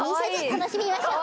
「楽しみましょう！」